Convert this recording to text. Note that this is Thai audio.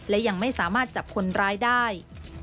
และยังไม่สามารถจับคนร้ายได้